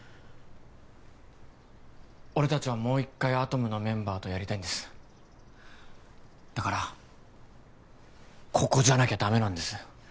俺達はもう一回アトムのメンバーとやりたいんですだからここじゃなきゃダメなんです